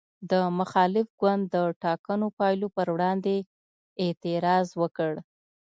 د مخالف ګوند د ټاکنو پایلو پر وړاندې اعتراض وکړ.